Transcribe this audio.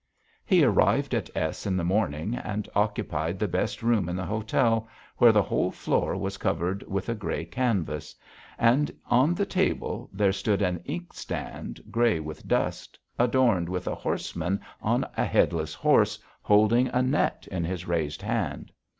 He arrived at S. in the morning and occupied the best room in the hotel, where the whole floor was covered with a grey canvas, and on the table there stood an inkstand grey with dust, adorned with a horseman on a headless horse holding a net in his raised hand.